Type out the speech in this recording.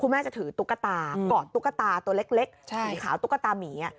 แม่จะถือตุ๊กตากอดตุ๊กตาตัวเล็กสีขาวตุ๊กตามี